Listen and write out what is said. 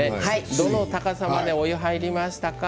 どの高さまでお湯を入れましたか。